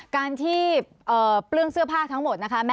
การที่เปลื้องเสื้อผ้าทั้งหมดนะคะ